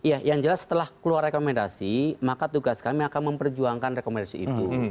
ya yang jelas setelah keluar rekomendasi maka tugas kami akan memperjuangkan rekomendasi itu